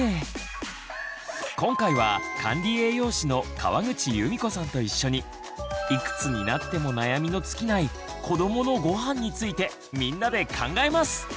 今回は管理栄養士の川口由美子さんと一緒にいくつになっても悩みの尽きない子どものごはんについてみんなで考えます！